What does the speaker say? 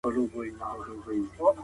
زه به اوږده موده د موسیقۍ زده کړه کړې وم.